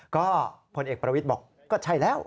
ก็พลเอกประวิทย์บอกก็ใช่แล้ว